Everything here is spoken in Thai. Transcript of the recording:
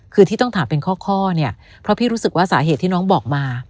คือที่ต้องถามเป็นข้อเนี่ยเพราะพี่รู้สึกว่าสาเหตุที่น้องบอกมา